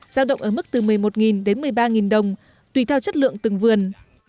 giao động ở mức từ một mươi một đến một mươi ba đồng tùy theo chất lượng từng vườn